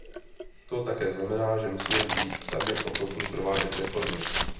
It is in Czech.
To také znamená, že musíme být sami ochotni provádět reformy.